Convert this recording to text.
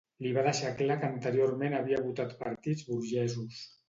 Li va deixar clar que anteriorment havia votat partits burgesos.